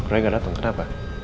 roy gak dateng kenapa